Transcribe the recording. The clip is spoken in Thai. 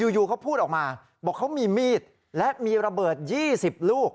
อยู่เขาพูดออกมาบอกเขามีมีดและมีระเบิด๒๐ลูก